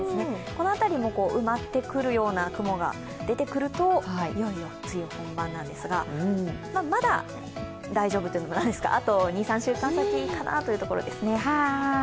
このあたりも埋まってくるような雲が出てくるといよいよ梅雨本番なんですが、まだ大丈夫というのも何ですが、あと２３週間先かなというところですね。